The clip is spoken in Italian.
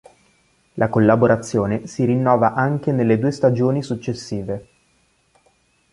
La collaborazione si rinnova anche nelle due stagioni successive.